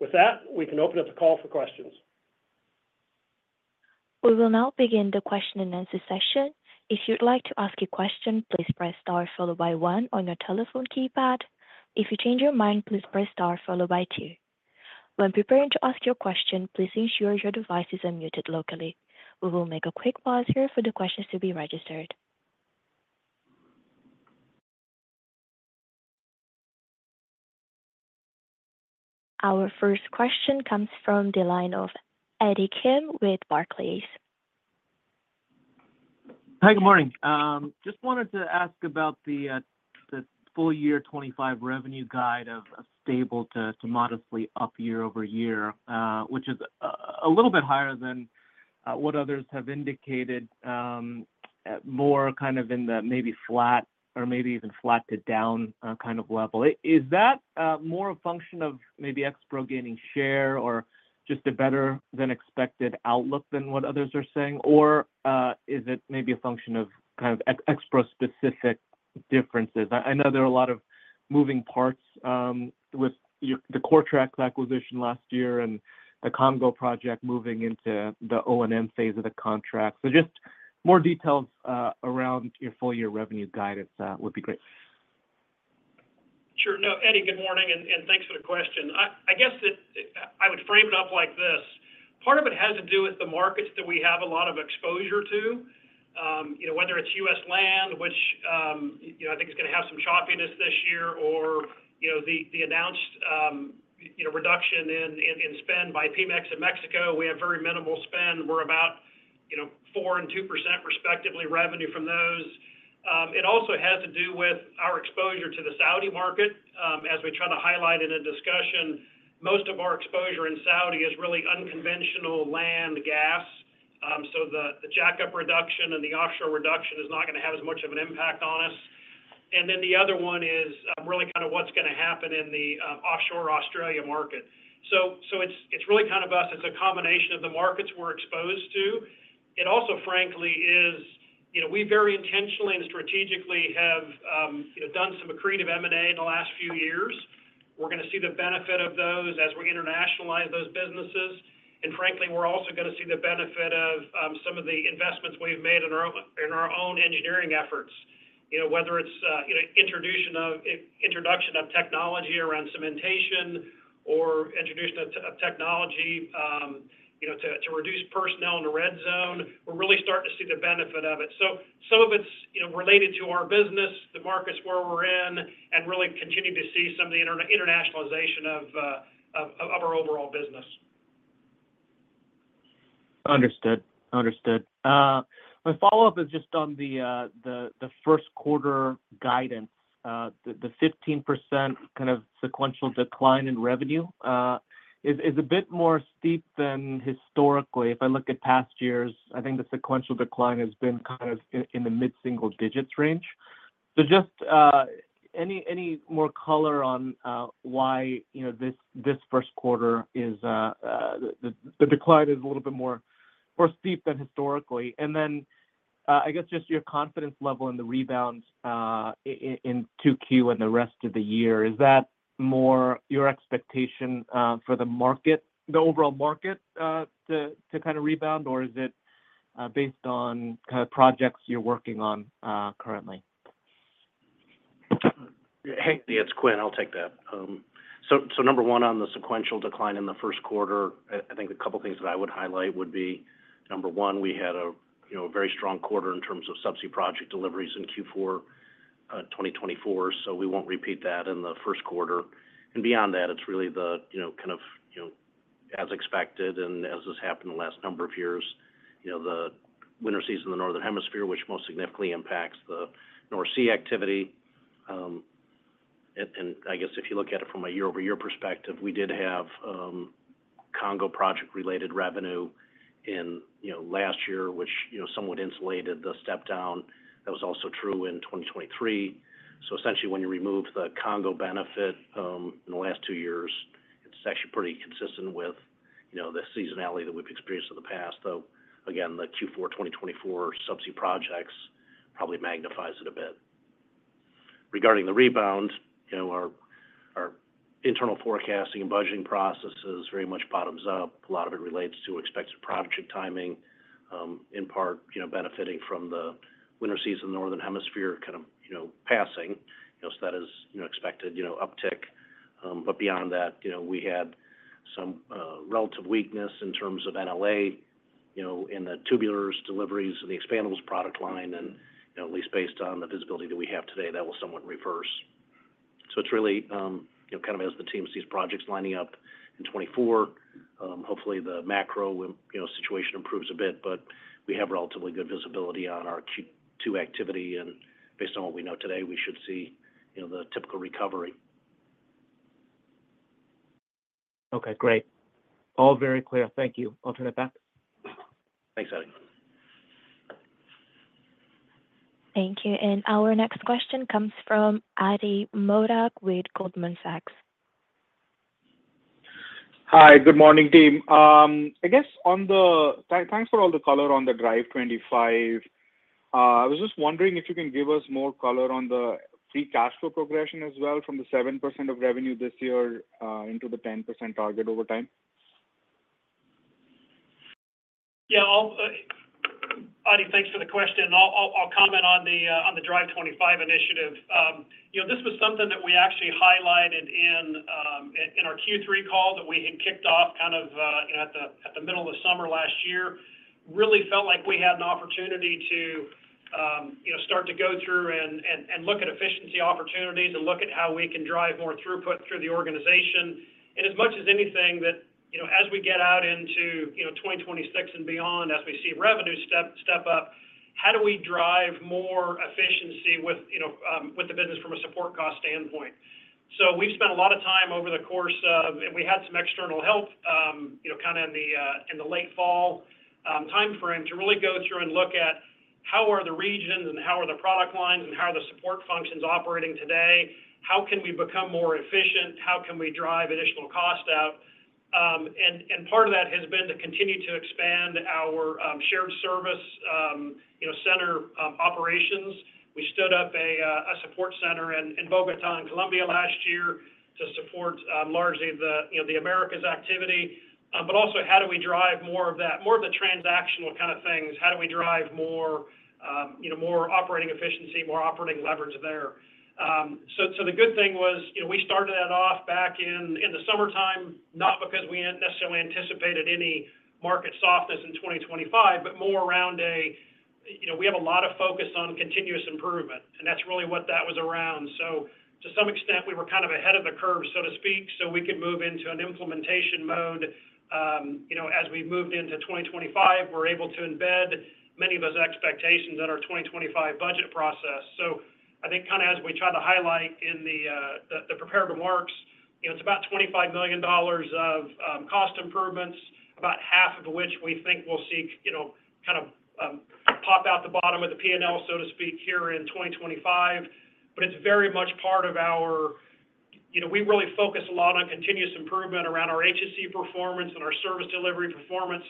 Speaker 3: With that, we can open up the call for questions.
Speaker 1: We will now begin the question and answer session. If you'd like to ask a question, please press star followed by one on your telephone keypad. If you change your mind, please press star followed by two. When preparing to ask your question, please ensure your device is unmuted locally. We will make a quick pause here for the questions to be registered. Our first question comes from the line of Eddie Kim with Barclays.
Speaker 5: Hi, good morning. Just wanted to ask about the full year 2025 revenue guide of stable to modestly up year-over-year, which is a little bit higher than what others have indicated, more kind of in the maybe flat or maybe even flat to down kind of level. Is that more a function of maybe Expro gaining share or just a better than expected outlook than what others are saying, or is it maybe a function of kind of Expro-specific differences? I know there are a lot of moving parts with the Coretrax acquisition last year and the Congo project moving into the O&M phase of the contract. So just more details around your full year revenue guidance would be great.
Speaker 3: Sure. No, Eddie, good morning and thanks for the question. I guess I would frame it up like this. Part of it has to do with the markets that we have a lot of exposure to, whether it's U.S. land, which I think is going to have some choppiness this year, or the announced reduction in spend by Pemex in Mexico. We have very minimal spend. We're about 4% and 2% respectively of revenue from those. It also has to do with our exposure to the Saudi market. As we try to highlight in a discussion, most of our exposure in Saudi is really unconventional land gas. So the jack-up reduction and the offshore reduction is not going to have as much of an impact on us. And then the other one is really kind of what's going to happen in the offshore Australia market. So it's really kind of us. It's a combination of the markets we're exposed to. It also, frankly, is we very intentionally and strategically have done some accretive M&A in the last few years. We're going to see the benefit of those as we're internationalizing those businesses. And frankly, we're also going to see the benefit of some of the investments we've made in our own engineering efforts, whether it's introduction of technology around cementation or introduction of technology to reduce personnel in the red zone. We're really starting to see the benefit of it. So some of it's related to our business, the markets where we're in, and really continue to see some of the internationalization of our overall business.
Speaker 5: Understood. Understood. My follow-up is just on the Q1 guidance. The 15% kind of sequential decline in revenue is a bit more steep than historically. If I look at past years, I think the sequential decline has been kind of in the mid-single digits range. So just any more color on why this Q1 is the decline is a little bit more steep than historically. And then I guess just your confidence level in the rebound in 2Q and the rest of the year. Is that more your expectation for the overall market to kind of rebound, or is it based on kind of projects you're working on currently?
Speaker 4: Hey, it's Quinn. I'll take that. So number one on the sequential decline in the Q1, I think a couple of things that I would highlight would be number one, we had a very strong quarter in terms of subsea project deliveries in Q4 2024. So we won't repeat that in the Q1. And beyond that, it's really the kind of, as expected, and as has happened the last number of years, the winter season in the Northern Hemisphere, which most significantly impacts the North Sea activity. And I guess if you look at it from a year-over-year perspective, we did have Congo project-related revenue in last year, which somewhat insulated the step down. That was also true in 2023. So essentially, when you remove the Congo benefit in the last two years, it's actually pretty consistent with the seasonality that we've experienced in the past. Though, again, the Q4 2024 subsea projects probably magnifies it a bit. Regarding the rebound, our internal forecasting and budgeting processes very much bottoms up. A lot of it relates to expected project timing, in part benefiting from the winter season in the Northern Hemisphere kind of passing. So that is expected uptick. But beyond that, we had some relative weakness in terms of NLA in the tubulars deliveries and the expandables product line. And at least based on the visibility that we have today, that will somewhat reverse. So it's really kind of as the team sees projects lining up in 2024. Hopefully, the macro situation improves a bit, but we have relatively good visibility on our Q2 activity. And based on what we know today, we should see the typical recovery.
Speaker 5: Okay. Great. All very clear. Thank you. I'll turn it back.
Speaker 4: Thanks, Eddie.
Speaker 1: Thank you. And our next question comes from Ati Modak with Goldman Sachs.
Speaker 6: Hi, good morning, team. I guess on the thanks for all the color on the Drive 25. I was just wondering if you can give us more color on the Free Cash Flow progression as well from the 7% of revenue this year into the 10% target over time?
Speaker 3: Yeah. Ati, thanks for the question. I'll comment on the Drive 25 initiative. This was something that we actually highlighted in our Q3 call that we had kicked off kind of at the middle of the summer last year. Really felt like we had an opportunity to start to go through and look at efficiency opportunities and look at how we can drive more throughput through the organization. And as much as anything, as we get out into 2026 and beyond, as we see revenue step up, how do we drive more efficiency with the business from a support cost standpoint? So we've spent a lot of time over the course of, and we had some external help kind of in the late fall timeframe to really go through and look at how are the regions and how are the product lines and how are the support functions operating today? How can we become more efficient? How can we drive additional cost out? And part of that has been to continue to expand our shared service center operations. We stood up a support center in Bogota and Colombia last year to support largely the Americas activity. But also, how do we drive more of that, more of the transactional kind of things? How do we drive more operating efficiency, more operating leverage there? So the good thing was we started that off back in the summertime, not because we necessarily anticipated any market softness in 2025, but more around a we have a lot of focus on continuous improvement. And that's really what that was around. So to some extent, we were kind of ahead of the curve, so to speak, so we could move into an implementation mode. As we've moved into 2025, we're able to embed many of those expectations in our 2025 budget process. So I think kind of as we try to highlight in the prepared remarks, it's about $25 million of cost improvements, about half of which we think will seek kind of pop out the bottom of the P&L, so to speak, here in 2025. But it's very much part of how we really focus a lot on continuous improvement around our HSE performance and our service delivery performance.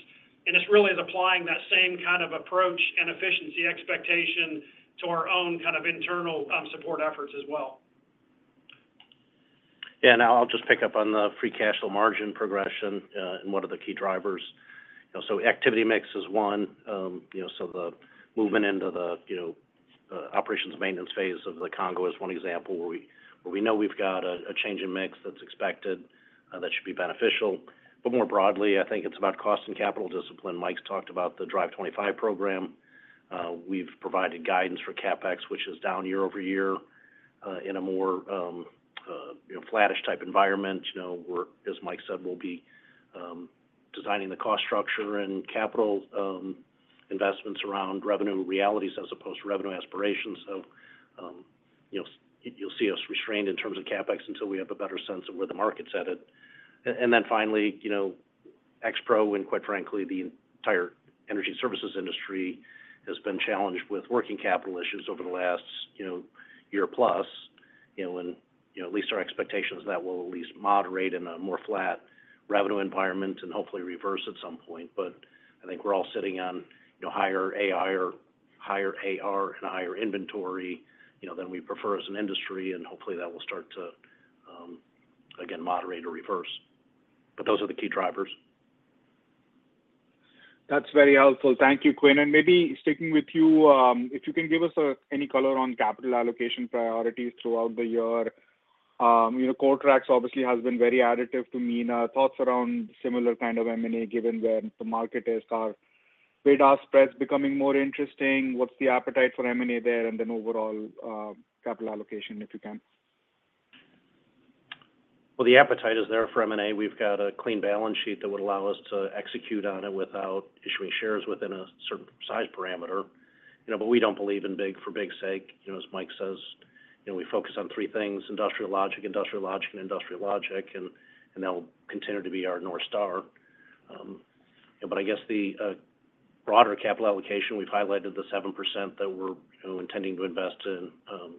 Speaker 3: And it's really applying that same kind of approach and efficiency expectation to our own kind of internal support efforts as well.
Speaker 4: Yeah. And I'll just pick up on the Free Cash Flow margin progression and what are the key drivers. So activity mix is one. So the movement into the operations maintenance phase of the Congo is one example where we know we've got a change in mix that's expected that should be beneficial. But more broadly, I think it's about cost and capital discipline. Mike's talked about the Drive 25 program. We've provided guidance for CapEx, which is down year-over-year in a more flattish type environment, whereas, Mike said, we'll be designing the cost structure and capital investments around revenue realities as opposed to revenue aspirations. So you'll see us restrained in terms of CapEx until we have a better sense of where the market's at. And then finally, Expro and, quite frankly, the entire energy services industry has been challenged with working capital issues over the last year plus. And at least our expectation is that we'll at least moderate in a more flat revenue environment and hopefully reverse at some point. But I think we're all sitting on higher AR and higher inventory than we prefer as an industry. And hopefully, that will start to, again, moderate or reverse. But those are the key drivers.
Speaker 6: That's very helpful. Thank you, Quinn. Maybe sticking with you, if you can give us any color on capital allocation priorities throughout the year. Coretrax obviously has been very additive to MENA. Thoughts around similar kind of M&A given where the market is? Are widest spreads becoming more interesting? What's the appetite for M&A there? And then overall capital allocation, if you can.
Speaker 4: Well, the appetite is there for M&A. We've got a clean balance sheet that would allow us to execute on it without issuing shares within a certain size parameter. But we don't believe in big for big's sake. As Mike says, we focus on three things: industrial logic, industrial logic, and industrial logic. And that will continue to be our North Star. But I guess the broader capital allocation, we've highlighted the 7% that we're intending to invest in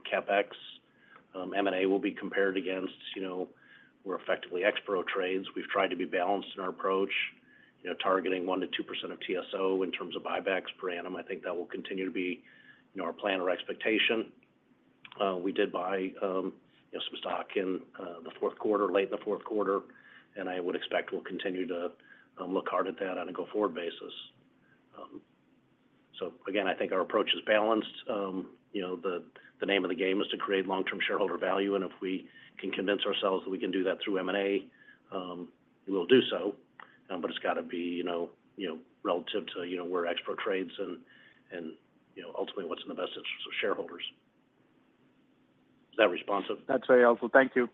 Speaker 4: CapEx. M&A will be compared against we're effectively Expro trades. We've tried to be balanced in our approach, targeting 1%-2% of TSO in terms of buybacks per annum. I think that will continue to be our plan or expectation. We did buy some stock in the Q4, late in the Q4. I would expect we'll continue to look hard at that on a go-forward basis. Again, I think our approach is balanced. The name of the game is to create long-term shareholder value. If we can convince ourselves that we can do that through M&A, we'll do so. But it's got to be relative to where Expro trades and ultimately what's in the best interest of shareholders. Is that responsive?
Speaker 6: That's very helpful. Thank you.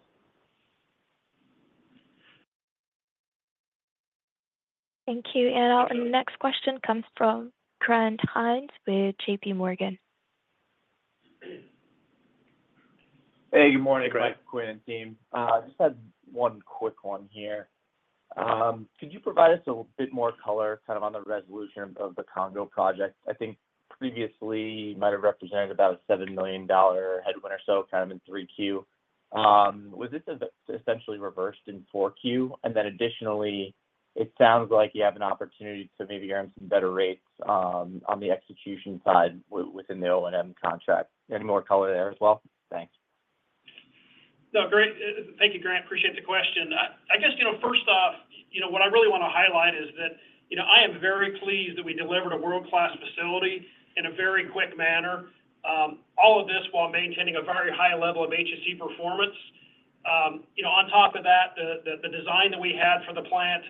Speaker 1: Thank you. Our next question comes from Grant Hines with JPMorgan.
Speaker 7: Hey, good morning, Mike, Quinn, and team. Just had one quick one here. Could you provide us a bit more color kind of on the resolution of the Congo project? I think previously, you might have represented about a $7 million headwind or so kind of in 3Q. Was this essentially reversed in 4Q? And then additionally, it sounds like you have an opportunity to maybe earn some better rates on the execution side within the O&M contract. Any more color there as well? Thanks.
Speaker 3: No, great. Thank you, Grant. Appreciate the question. I guess, first off, what I really want to highlight is that I am very pleased that we delivered a world-class facility in a very quick manner, all of this while maintaining a very high level of HSE performance. On top of that, the design that we had for the plant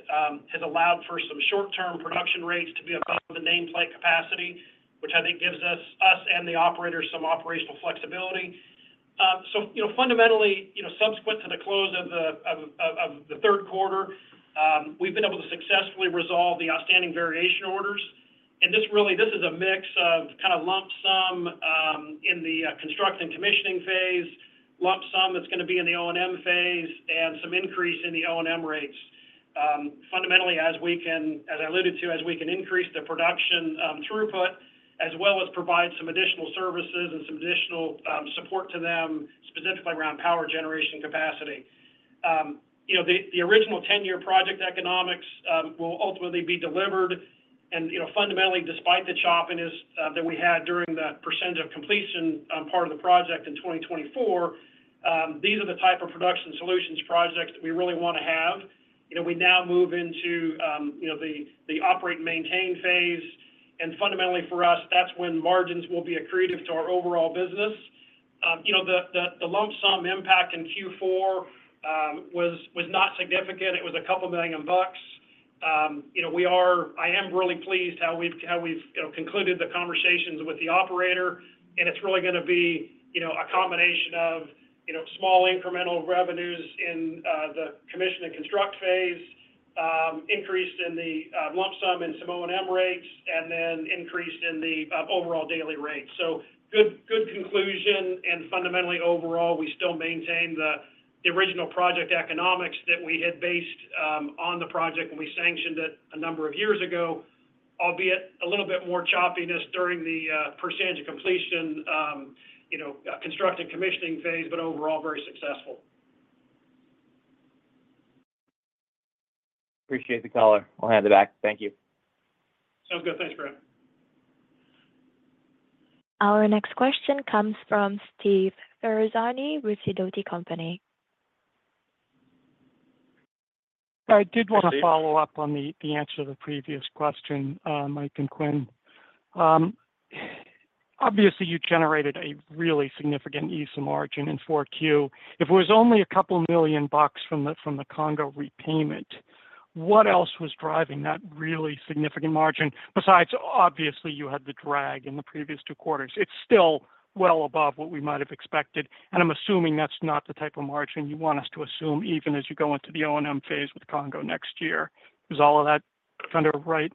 Speaker 3: has allowed for some short-term production rates to be above the nameplate capacity, which I think gives us and the operators some operational flexibility. So fundamentally, subsequent to the close of the Q3, we've been able to successfully resolve the outstanding variation orders. And this really is a mix of kind of lump sum in the construction commissioning phase, lump sum that's going to be in the O&M phase, and some increase in the O&M rates. Fundamentally, as I alluded to, as we can increase the production throughput as well as provide some additional services and some additional support to them, specifically around power generation capacity. The original 10-year project economics will ultimately be delivered. Fundamentally, despite the choppiness that we had during the percentage of completion part of the project in 2024, these are the type of production solutions projects that we really want to have. We now move into the operate and maintain phase. Fundamentally, for us, that's when margins will be accretive to our overall business. The lump sum impact in Q4 was not significant. It was $2 million. I am really pleased how we've concluded the conversations with the operator. It's really going to be a combination of small incremental revenues in the commission and construct phase, increase in the lump sum and some O&M rates, and then increase in the overall daily rate. Good conclusion. Fundamentally, overall, we still maintain the original project economics that we had based on the project when we sanctioned it a number of years ago, albeit a little bit more choppiness during the percentage of completion construction commissioning phase, but overall, very successful.
Speaker 7: Appreciate the color. I'll hand it back. Thank you.
Speaker 3: Sounds good. Thanks, Grant.
Speaker 1: Our next question comes from Steve Ferazani with Sidoti Company.
Speaker 8: I did want to follow up on the answer to the previous question, Mike and Quinn. Obviously, you generated a really significant ESSA margin in 4Q. If it was only a couple of million dollars from the Congo repayment, what else was driving that really significant margin? Besides, obviously, you had the drag in the previous two quarters. It's still well above what we might have expected. And I'm assuming that's not the type of margin you want us to assume even as you go into the O&M phase with Congo next year. Is all of that kind of right?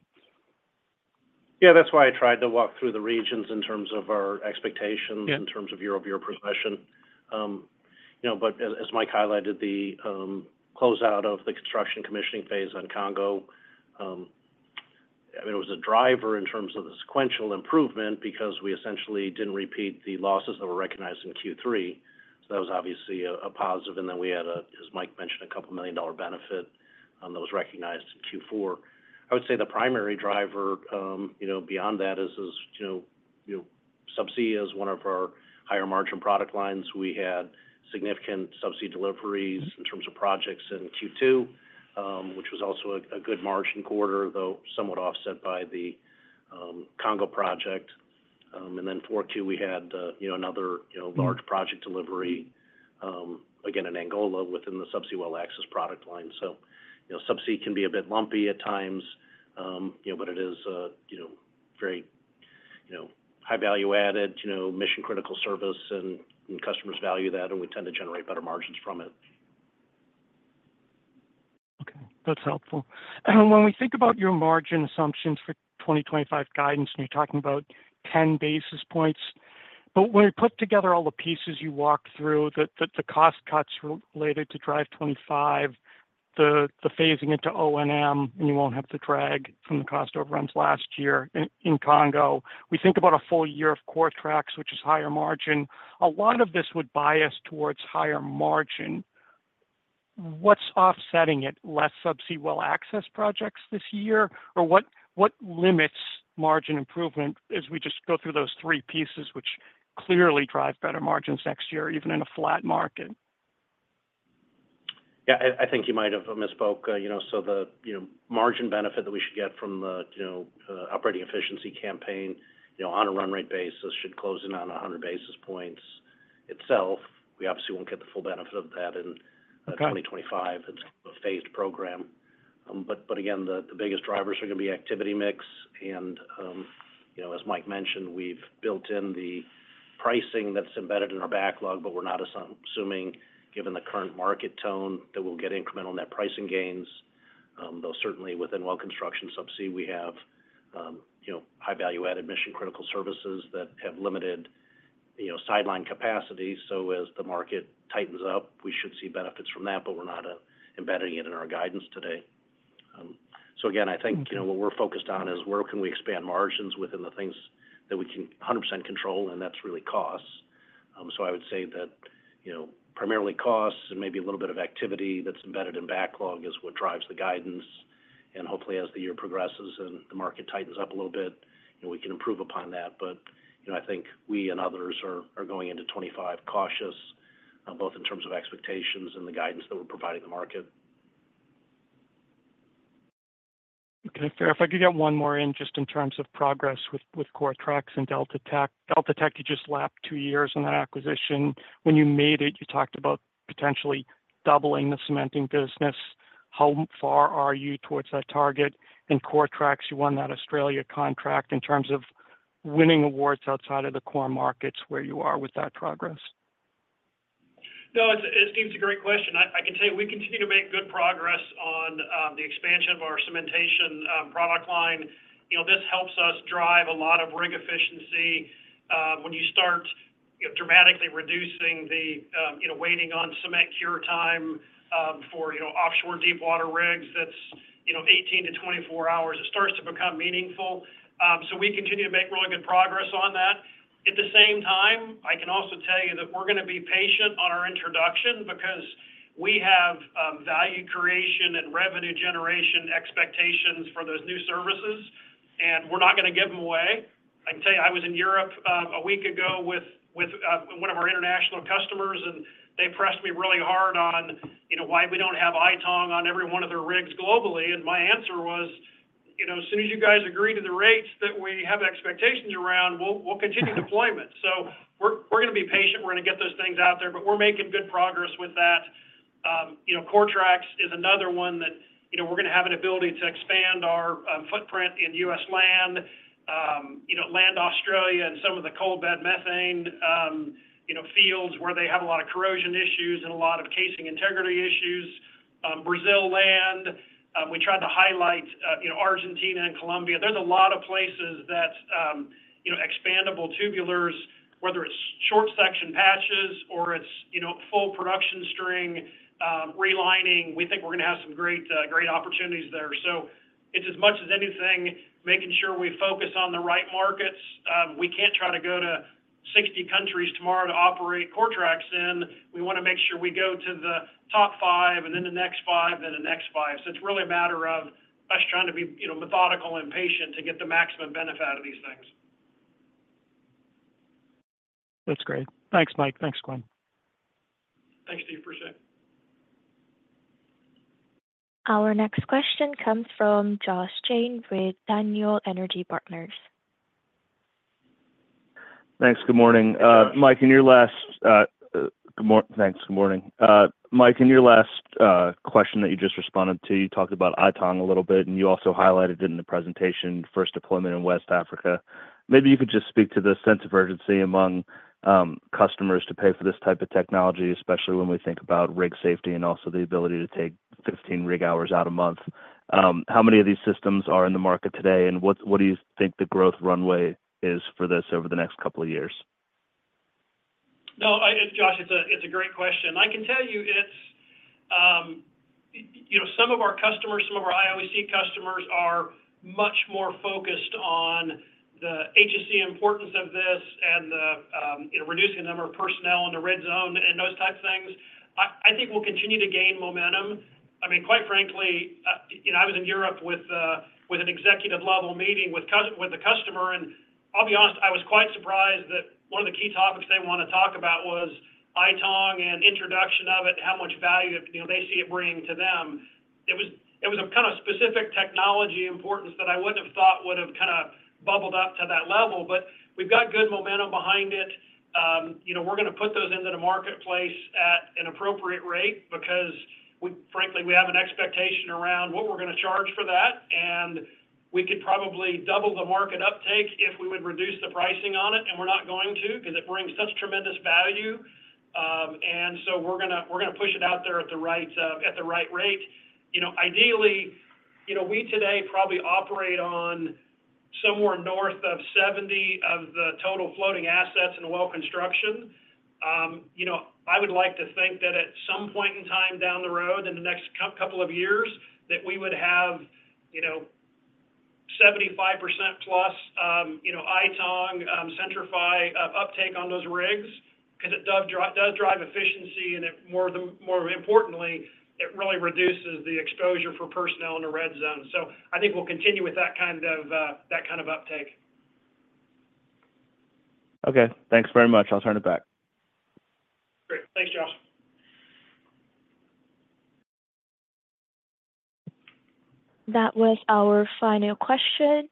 Speaker 4: Yeah. That's why I tried to walk through the regions in terms of our expectations, in terms of year-over-year progression. But as Mike highlighted, the closeout of the construction commissioning phase on Congo, I mean, it was a driver in terms of the sequential improvement because we essentially didn't repeat the losses that were recognized in Q3. So that was obviously a positive. And then we had, as Mike mentioned, a $2 million benefit that was recognized in Q4. I would say the primary driver beyond that is Subsea as one of our higher margin product lines. We had significant subsea deliveries in terms of projects in Q2, which was also a good margin quarter, though somewhat offset by the Congo project, and then 4Q, we had another large project delivery, again, in Angola within the Subsea Well Access product line, so subsea can be a bit lumpy at times, but it is very high value added, mission-critical service, and customers value that, and we tend to generate better margins from it.
Speaker 8: Okay. That's helpful. When we think about your margin assumptions for 2025 guidance, and you're talking about 10 basis points, but when we put together all the pieces you walked through, the cost cuts related to Drive 25, the phasing into O&M, and you won't have the drag from the cost overruns last year in Congo, we think about a full year of Coretrax, which is higher margin. A lot of this would bias towards higher margin. What's offsetting it? Less Subsea Well Access projects this year? Or what limits margin improvement as we just go through those three pieces, which clearly drive better margins next year, even in a flat market?
Speaker 4: Yeah. I think you might have misspoke. So the margin benefit that we should get from the operating efficiency campaign on a run rate basis should close in on 100 basis points itself. We obviously won't get the full benefit of that in 2025. It's a phased program, but again, the biggest drivers are going to be activity mix, and as Mike mentioned, we've built in the pricing that's embedded in our backlog, but we're not assuming, given the current market tone, that we'll get incremental net pricing gains. Though certainly, within well construction subsea, we have high value added mission-critical services that have limited sideline capacity. So as the market tightens up, we should see benefits from that, but we're not embedding it in our guidance today. So again, I think what we're focused on is where can we expand margins within the things that we can 100% control, and that's really costs. So I would say that primarily costs and maybe a little bit of activity that's embedded in backlog is what drives the guidance. And hopefully, as the year progresses and the market tightens up a little bit, we can improve upon that. But I think we and others are going into 2025 cautious, both in terms of expectations and the guidance that we're providing the market.
Speaker 8: Okay. Fair. If I could get one more in just in terms of progress with Coretrax and DeltaTek. DeltaTek you just lapped two years on that acquisition. When you made it, you talked about potentially doubling the cementing business. How far are you towards that target? And Coretrax, you won that Australia contract in terms of winning awards outside of the core markets where you are with that progress?
Speaker 3: No, it seems a great question. I can tell you we continue to make good progress on the expansion of our cementation product line. This helps us drive a lot of rig efficiency. When you start dramatically reducing the waiting on cement cure time for offshore deep water rigs, that's 18 to 24 hours, it starts to become meaningful. We continue to make really good progress on that. At the same time, I can also tell you that we're going to be patient on our introduction because we have value creation and revenue generation expectations for those new services, and we're not going to give them away. I can tell you I was in Europe a week ago with one of our international customers, and they pressed me really hard on why we don't have iTONG on every one of their rigs globally, and my answer was, "As soon as you guys agree to the rates that we have expectations around, we'll continue deployment," so we're going to be patient. We're going to get those things out there, but we're making good progress with that. Coretrax is another one that we're going to have an ability to expand our footprint in U.S. land, land Australia, and some of the coal bed methane fields where they have a lot of corrosion issues and a lot of casing integrity issues. Brazil land, we tried to highlight Argentina and Colombia. There's a lot of places that expandable tubulars, whether it's short section patches or it's full production string relining, we think we're going to have some great opportunities there. It's as much as anything making sure we focus on the right markets. We can't try to go to 60 countries tomorrow to operate Coretrax in. We want to make sure we go to the top five and then the next five and the next five. It's really a matter of us trying to be methodical and patient to get the maximum benefit out of these things.
Speaker 8: That's great. Thanks, Mike. Thanks, Quinn.
Speaker 3: Thanks, Steve. Appreciate it.
Speaker 1: Our next question comes from Josh Jayne with Daniel Energy Partners.
Speaker 9: Thanks. Good morning. Mike, in your last question that you just responded to, you talked about iTONG a little bit, and you also highlighted it in the presentation, first deployment in West Africa. Maybe you could just speak to the sense of urgency among customers to pay for this type of technology, especially when we think about rig safety and also the ability to take 15 rig hours out a month. How many of these systems are in the market today, and what do you think the growth runway is for this over the next couple of years?
Speaker 3: No, Josh, it's a great question. I can tell you some of our customers, some of our IOC customers are much more focused on the HSE importance of this and reducing the number of personnel in the red zone and those types of things. I think we'll continue to gain momentum. I mean, quite frankly, I was in Europe with an executive level meeting with the customer, and I'll be honest, I was quite surprised that one of the key topics they want to talk about was iTONG and introduction of it and how much value they see it bringing to them. It was a kind of specific technology importance that I wouldn't have thought would have kind of bubbled up to that level. But we've got good momentum behind it. We're going to put those into the marketplace at an appropriate rate because, frankly, we have an expectation around what we're going to charge for that. And we could probably double the market uptake if we would reduce the pricing on it. And we're not going to because it brings such tremendous value. And so we're going to push it out there at the right rate. Ideally, we today probably operate on somewhere north of 70 of the total floating assets in well construction. I would like to think that at some point in time down the road in the next couple of years that we would have 75% plus iTONG, CENTRI-FI uptake on those rigs because it does drive efficiency. And more importantly, it really reduces the exposure for personnel in the red zone. So I think we'll continue with that kind of uptake.
Speaker 9: Okay. Thanks very much. I'll turn it back.
Speaker 3: Great. Thanks, Josh.
Speaker 1: That was our final question.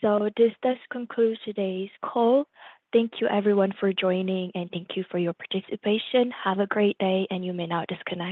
Speaker 1: So this does conclude today's call. Thank you, everyone, for joining, and thank you for your participation. Have a great day, and you may now disconnect.